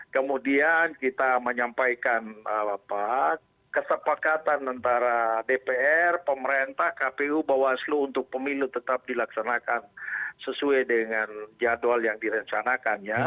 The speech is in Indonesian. kemudian kita menyampaikan kesepakatan antara dpr pemerintah kpu bawaslu untuk pemilu tetap dilaksanakan sesuai dengan jadwal yang direncanakan ya